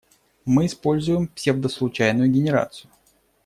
Мы используем псевдослучайную генерацию.